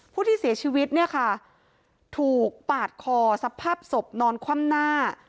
ที่เสียชีวิตเนี่ยค่ะถูกปาดคอสภาพศพนอนคว่ำหน้า